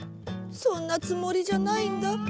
そんなつもりじゃないんだ。